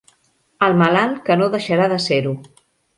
El malalt que no deixarà de ser-ho.